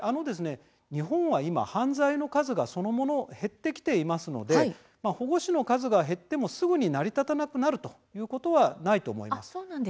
日本は今犯罪そのものが減っていますので保護司の活動が減ってもすぐ成り立たなくなるということはないと思うんです。